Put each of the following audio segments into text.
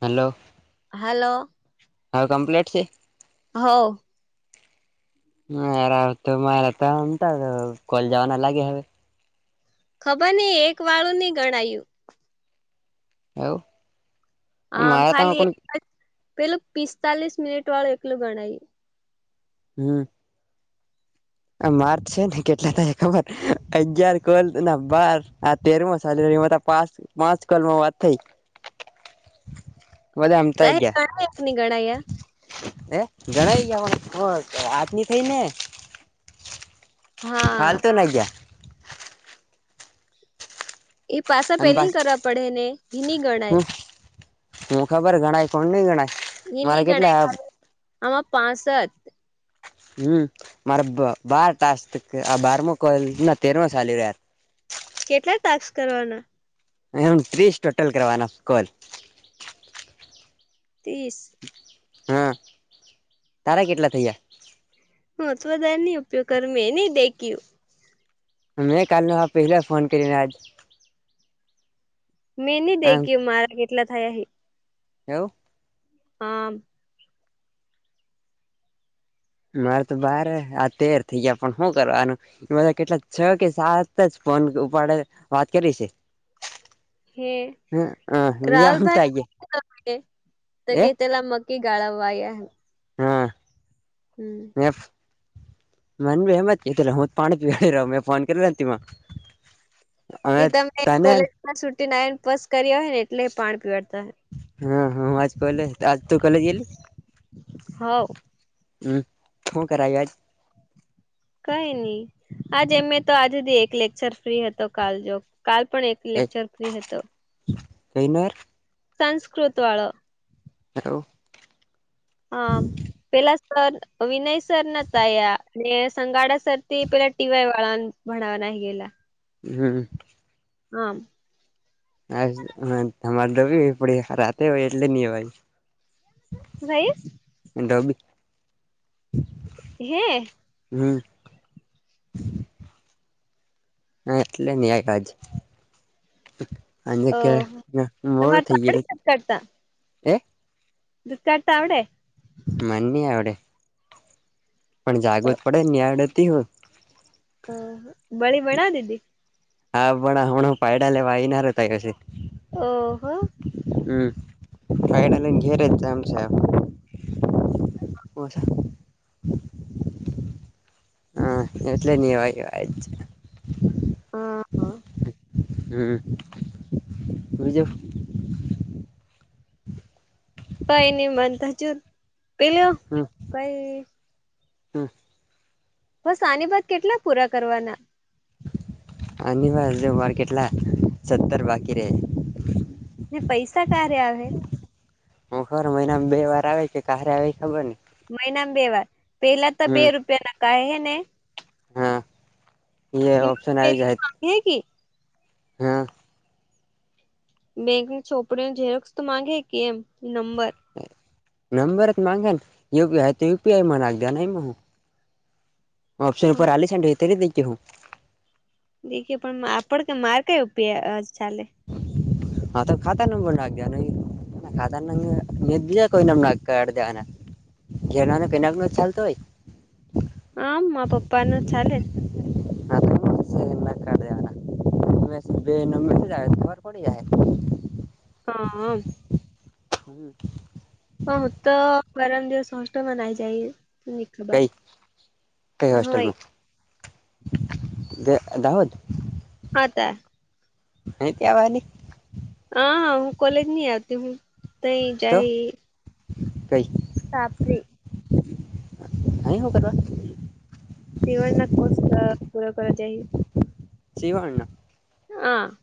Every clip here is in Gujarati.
હલો. હલો. હા, કમપ્લેટ શે? હોવ. હા, એરા તો મારા તોમ તો કોલ જવા ના લાગે હે. ખબર નહીં એક વાળું નહી ગણાયું. હવ. આમ ખાલી એક જ પેલું પિસ્તાલીસ મિનિટ વાળું એકલું ગણાય. હમ. આ માર છે ને કેટલા થાય ખબર અગયાર કોલ ના બાર આ તેરમ [unintelligible] પાચ કોલમાં વાત થઈ. બધા આમ આઈ ગયા. ગણા એક ની ગણાય યાર હે ગણાઈ ગયા આજની થઈ ને. હાલ હા તો [unintelligible] એ પાછા અને બસ પેલી કરવા પડે ને એની ગણાય. હું હું ખબર ગણાય કોણ નહી ગણાય. એઈ મારે નહી ગણાય કેટલા [unintelligible] આમાં પાસઠ. હમ મારા બ બાર ટાસ આ બારમો કોલ ના તેરમો ચાલી રહ્યા. કેટલા ટાકસ કરવાના? એમ ત્રીસ ટોટલ કરવાના કોલ. ત્રીસ? હા, તારા કેટલા થયા? હા, તો બધા એની ઉપયોગ કર મે નહી દેખ્યું. મેં કાલનો પહેલા ફોન કરીંયો આજ. મેં નહી આમ દેખ્યું મારા કેટલા થયા હે. એવું. હા. મારે તો બાર આ તેર થયા પણ શું કરવાનું. બધા કેટલા છ કે સાત જ ફોન ઉપાડે વાત કરી છે. હે બીજા આમતા રાહુલભાઈ તો ગયા કે એ તેલા મગ [unintelligible] હા. હમ. મેફ. મન એમ કે હું જ પાણી પીવાઈ રહ્યો મેં ફોન કરી તેમાં. તે હવે તમે તને કોલેજમાં છુટી ને પાસ કર્યા હોય ને એટલે પાણી પીવાડતા હોય. હા, હા આજ કોલેજ આજ તું કોલેજ [unintelligible] હોવ. હમ, હું કરાયું આજ? કઈ નહી આજ એમે તો આજથી એક લેક્ચર ફ્રી હતો કાલ જો કાલ પણ એક આજ લેક્ચર ફ્રી હતો. [unintelligible] સંસ્કૃત વાળો. હલો. હા. પેલા સર વિનય સર નતા આયા સંગાડા સર થી પેલા ટીવાય વાળા ભણવા નાઈ ગયેલા. હમ. હા. હ તમારે દ પડીતે હોય એટલે નહી ભાઈ સાઈસ. એ ડોબી. હે. હમ. હા એટલે ન્યાય પાછી. અને કે ઓહ બળું તમારે તો થઈ આવડે ગયલ એ દુખતા આવડે. મને નહી આવડે. પણ જાગૃત પડે નની આડતી હોય. હા બળી વણા દીદી. હા પણ હું હું પાયડ લવાયનો તારિ પાશે. ઓહો. હમ ફાયનાલી ઘેરદતામ છે. [unintelligible] હછા હા એટલે નનીવાયય હ જ [unintelligible] હમ બીજુ. કઈ નહી મનતાજું પેલ્યો હમ કઈ હમ. બસ આની બાત કેટલા પૂરા કરવાના. આ વાજ ઉ વાર કેટલા સત્તર બાકી રહે. ને પૈસા ક્યારે આવે. હું ખબર મહિનામાં બે વાર આવે કે કારે આવે ખબર નહી. મહિનામાં બે વાર પેલા તો બે રૂપિયા ના કહે હે ને. હા એ ઓપ્શન આવી જાય. હે કે. યાર. બેંકની છોપરીઓ ઝેરોક્ષ તો માંગે કે એમ નંબર નંબર જ માગા પીઆઈ તો યુપીઆઈ મગ દે ન હું. હ ઓ્શન ઉપર આલી સાત્યારે દઈ હું. દેખએ પણ આપડ કે માર કઈ ચાલે. હા તો ખાતા નબર નાખયા નહી. ખાધ દીધા કોમ દેવાના જે ચાલતો હોય. આમ મારા પપ્પા ને ચાલે. ના કાઢ દવાના બે જ ખબર પડી જાય. હા. છૂટ [unintelligible] હું તો ગરમ દિવસષ મનાઈ જાય. કઈ કઈ હોય હોસ્ટલમાં દ દાહોજ. હા તાર. હો તયાવાની. હા હા હું કોલેજ નહી આવતી હું તઈ તો જાય. કઈ. સાપરી. અહી શું કરવા. સીવણના કોસ પૂરા કરવા જઈ. શિવવાઅણ ના. હ.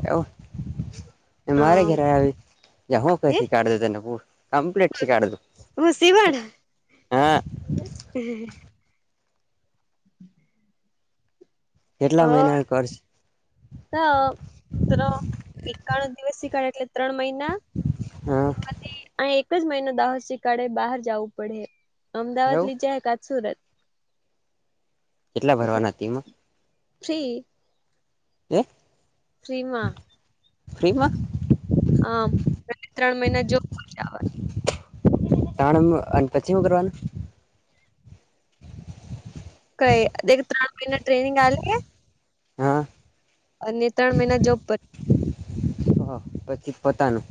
કેવ મારે ઘરે યા હો કસી કાઢ દેતાને પુ કમ્પ્લીટ હું [unintelligible] હા. હમ્મ. [inaudible] હ કેટલા મહિના કર. એકાણું દિવસ શીખણ એટલે ત્રણ મહિના હા એમાંથી અહી એક જ મહિનો દાહોશી કાળે બહાર જવું પડે. અમદાવાદ એવું લી જાય ક સુરત કેટલા એટલે ભરવાના હતીમાં. ફ્રી. [unintelligible] [unintelligible] ફ્રીમાં હમ્મ ત્રણ મહિના જોવા. તણ એ પછીમાં કરવાનું? કઈ ત્રણ મહિના ટ્રેનિંગ આલે. હા અને ત્રણ મહિના જોબ પર. પછી પોતાનું.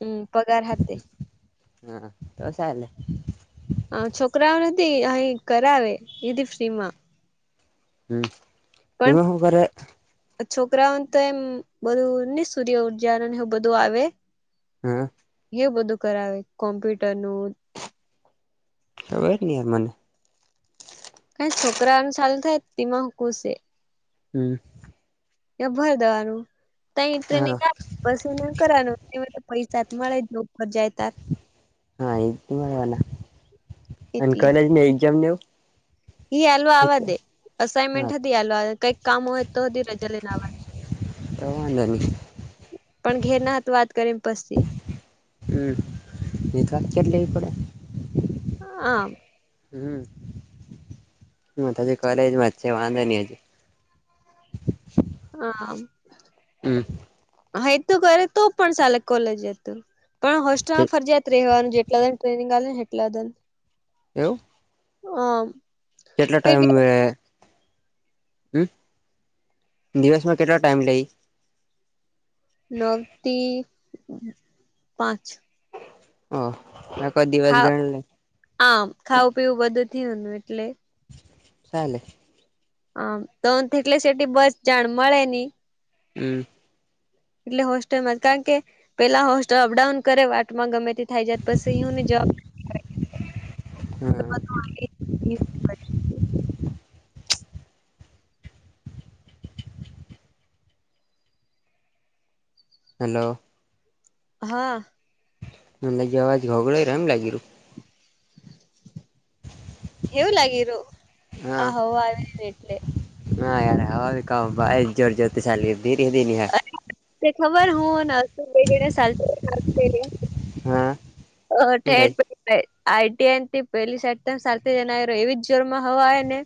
હમ્મ પગાર હાથે. હા દોસ લે હ છોકરાઓ નથી અહી કરાવે એધી ફ્રી માં હમ્મ પણ એમાં હ કરે. છોકરાઓને તો એમ બધું નને સૂર્ય ઉર્જાર બધું આવે હમ્મ. એ બધું કરાવે કોમ્પ્યુટર નું [unintelligible] કઈ છોકરા એમ ચાલુ થાય તેીમાંકુ છે હમ્મ. ્યા ભર દવાનું ત હા ટ્રેનિંગ પશે ને કરવાનું એ તો પૈસા જ મળે જો પરર જાય ત. હા એ મળવાલા અને કોલેજ નને એક્ઝામ નવ હ આાલવા દે હા અસાઇનમેન્ટ હતી હાલ કંઈક કામ હોય તો હતી રજા લઈનેવા દે. [unintelligible] [unintelligible] પણ ઘેર ના હતું વાત કરીને. [unintelligible] હમ્મ ન તો કેટ લેવી પડે. હ. હમ્મ હ તજી કોલેજમાં જ છે વાંધા નહી હજી. હા. હમ્મ. હ એ તો કરે તો પણ ચાલે કોલેજ હતું. પણ હોસ્ટેલમાં ફરજીયાત રહેવાનું જેટલાન ટ્રેનિંગ આવે ને એટલા દન. એવું. હ. કેટલો ટાઈમ આવે. હમ્મ દિવસમાં કેટલો ટાઈમ લઈ. નવતી પાંચ ઓહ ના કો દિવસ ખા ગણલે. આમ ખાવું પીવું બધું થું એટલે કાલે હમ તો થટલે સેટી બસ જાણમળે નહી હમ એટલે હોસ્ટેલમાં કારણ કે પેલા હોસ્ટેલ અપડાઉન કરે વાટમાં ગમે તે થાય જાયત પછી હુંને જવાબ હા હેલો. હા અંદાજી અવાજ ઘગડે એમ લાગી રહ્યું એવું લાગે રહું હા આહ હવા આવી એટલે હા યાર હ ક ભા જોર જો્યોરથી ચાલી ધીરે ધીરે તે ખબર હોનું [unintelligible] હા અ શું થાય ઠેઠ પે આઈટીઆઈથી પેલી સાઈટ ત સાથે જણાય એવી જ જોરમાં હવા આવે ને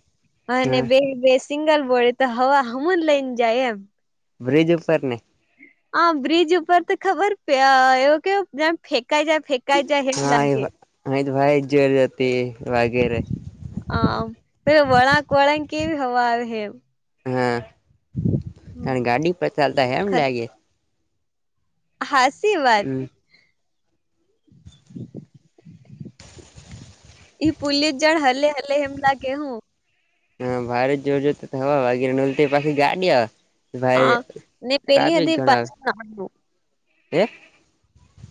અને હા બે બે સિંગલ બોર્ડ તો હવા હમું જ લઈને જાય એમ બ્રિજ ઉપર ને હ બ્રિજ ઉપર તો ખબર એવ કે ફેંકાઈ જાય ફે હા એ હ તો ભાઈ જ જો હતી વાગેરે આમ પે વળાંક વળાક કેવી હવા આવે હે હા ત ગાડી પર ચાલતા એમ લાગે હાચી વાત [inaudible] ઈ પુલી જળ હલે હલે હેમ લાગે હું હા ભારે જોર જોર તો હવા વાગીરે નલ પાછી ગાડી ભાઈ હા ને પેલી હ ટ્રાફિક હતી ઘણા પાછું હે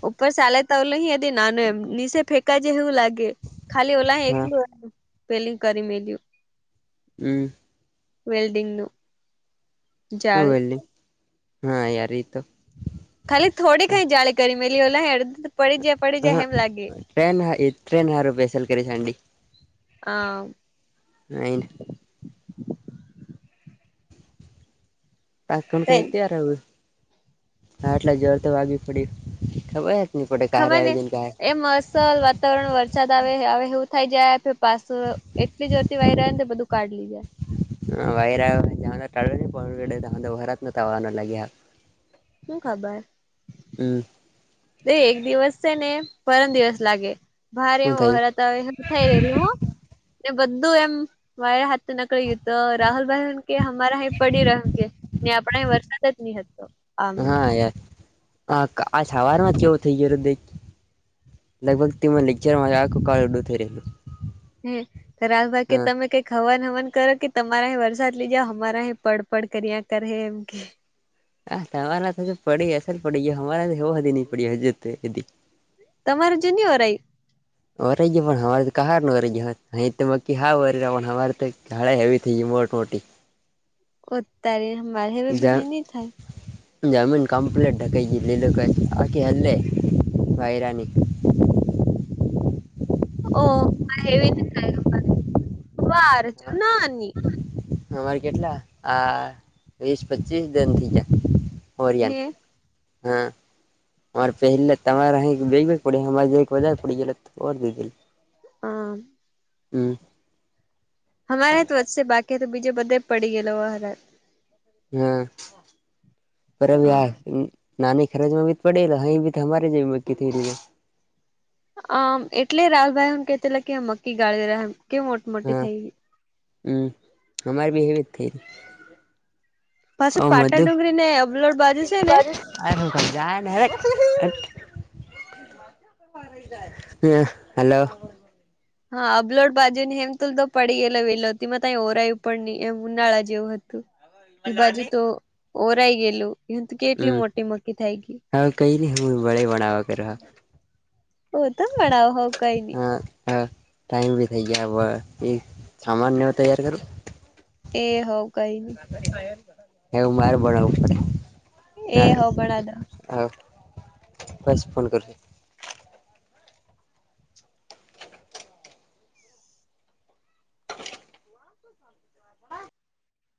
ઉપર સલે તલ હ એ ના નમ નિશે ફેકા જે હેવું લાગે ખાલી ઓલાય હા એકલું પેલિંગ કરી મેલું હમ વેલ્ડિંગ નું હુ જાળી વેલડિગ એલી હા યાર તો ખાલી થોડી ખઈ જળે કરી મેલી ઓલા હડ હા ટ્રેન હ ટ્રેન હારું બેેસલ કરીશંડી હ ન ઈ પાણ હ કઈ તયાર હું હાટલા જળ તો વાગવી પડી ખબર ની પટે કારે આયોજન કાય સરલ વાતાવરણ વરસાદ આવે હવે એવું થાય જાય પાછ એટલી જરતી વાય રહે ને બધું કાઢ લી જાય હા વાયરા વ જરા [unintelligible] નત આવાના લાગ્યા. હું ખબર હમ એ એક દિવસ છે ને પરમ દિવસ લાગે ભારે હું એમ થયું વરાતા થઈ રહેલું હ ને બધું એમ મા હાથ તો નકળ ગયું તો રાહુલ ભાઈ કે હમારા હહીં પડી રહ્ય ને આપડે વરસાદ જ નહ હતો આમ હ આજ હવાર માં કેવું થઈ ગયું દ લગભગ તે લેક્ચર મા આખું કાળડું થઈ રહેલું હા રાહુલ હા ભાઈકેતમે કે ઈક હવન હવન કરો કે, તમારા અ વરસાદ લઇ જઓ. અમારા અ પડપડ કર્યા કરે એમ કે? હા, તમારા તો હજુ પડી અસલ પડી ગયા, અમારા તો એવું નઈ પડી હજ. તમારે જુનું હોય. વરાઈ ગયા, પણ અમારે તો કહાર ન વરાઈ ગયા. અહી તો મકી હ પણ, અમારે તો ગાડા હવે થઈ ગયા, મોટ મોટી. અત્યારે મારે હવે બધી નહીં થાય. જમીન કમપ્લેટ થઈ ગઈ લે, લોકો ક આખી હલ્લે વાૈરાની. ઓ એવી વાર જ નાની. અમારે કેટલા આ વીસ-પચીસ દનથી જયા. હે ઓરિયાની, હા. હર પહેલે તમા બેગડી પડી. હા. હમ. અમારે તો વચ્ચે બાકી તો, બીજે બધે પડી ગયે. હા, બરાબર. નાની ખરજમાં પડેહી ભી જે ક. આમ એટલે રાહુભાઈ, હમ, કેતીલા કે મક્કી ગાળ રહ્યામ, કેવ મોટી મોટી હા થઈ ગ. હમ અરે બી હવી થ હ, પાછું પાટા મજું. ડુંગરી ને અબલોડ બાજુ છે ને આ હું જા. હ, હલો. હા, અબલોડ બાજુ ની ને, હમ, તુલ તો પડી ગયેલો, વેલોતી માં ત ઓરાયું પણ નહી, એમ ઉનાળા જેવું હતું. હ. એઈ બાજુ તો ઓરાઈ ગયેલું, એ તો કેટલી મોટી મક્કી થાય ગયા. હા, કઈને હ બળે બનાવક રહે. ઓ તો બડાવ હોવ કઈ નઈ. હા હા ટાઈમ બી થઇ ગયા, એ સામાનનેવ તૈયાર કરો. એ હો કઈ ન. એવું મારે બડાવું પડે. એ હો બનાવી દે. હા, દસ ફોન કરશે.